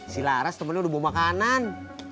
si laras temennya udah mau makanan